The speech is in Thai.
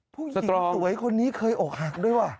ผู้หญิงสวยคนนี้เคยอกหักด้วยว่ะ